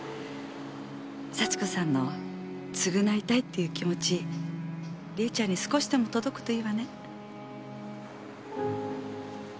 幸子さんの償いたいっていう気持ち理恵ちゃんに少しでも届くといいわね。